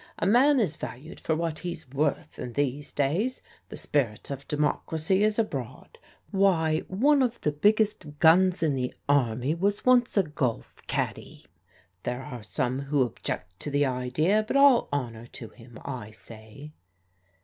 A man is valued for what he's worth in these days. The spirit of democracy is abroad. Why, one of the biggest guns in the army was once a golf caddie! There are some who object to the idea, but all honour to him, I say."